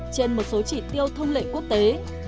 trên một số chỉ tiêu thông lệ quốc tế